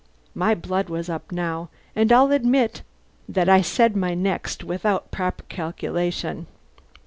My blood was up now, and I'll admit that I said my next without proper calculation.